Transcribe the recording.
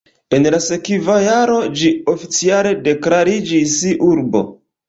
En la sekva jaro ĝi oficiale deklariĝis urbo.